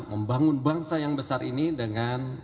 membangun bangsa yang besar ini dengan